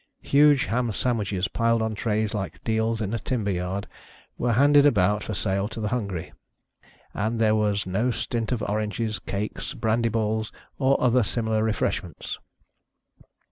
Huge ham sandwiches, piled on trays like deals in a timber yard, were handed about for sale to the hungry; and there was no stint of oranges, cakes, brandy balls, or other similar refreshments.